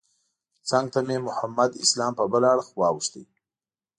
څنګ ته مې محمد اسلام په بل اړخ واوښت.